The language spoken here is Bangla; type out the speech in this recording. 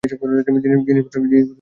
জিনিসপত্র গুছিয়ে নাও, স্যাম।